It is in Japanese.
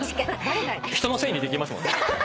人のせいにできますもんね。